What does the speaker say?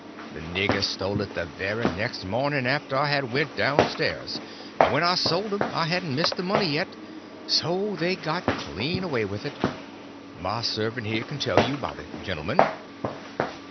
The niggers stole it the very next mornin' after I had went down stairs; and when I sold 'em I hadn't missed the money yit, so they got clean away with it. My servant here k'n tell you 'bout it, gentlemen."